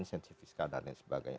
sensitif fiskal dan lain sebagainya